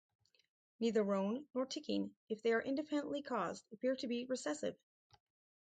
Neither roan nor ticking, if they are independently caused, appear to be recessive.